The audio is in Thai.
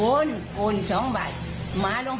ฝันค่ะฝันบ้าง